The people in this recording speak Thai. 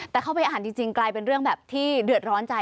แต่เข้าไปอ่านจริงกลายเป็นเรื่องแบบที่เดือดร้อนใจ